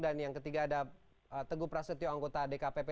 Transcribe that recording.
dan yang ketiga ada teguh prasetyo anggota dkpp